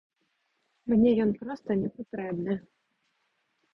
Мне ён проста не патрэбны.